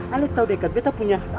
ale tau dekat bete punya